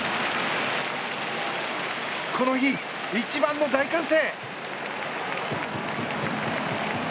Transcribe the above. この日、一番の大歓声。